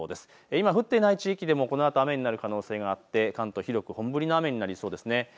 今、降っていない地域でもこのあと雨になる可能性があって関東広く本降りの雨になりそうですね。